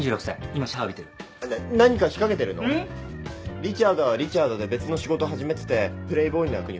リチャードはリチャードで別の仕事始めててプレーボーイの役に扮してる？